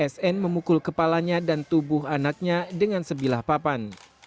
sn memukul kepalanya dan tubuh anaknya dengan sebilah papan